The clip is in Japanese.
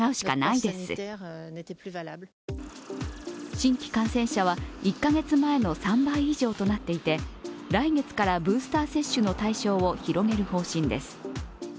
新規感染者は１カ月前の３倍以上となっていて来月からブースター接種の対象を広げる方針です。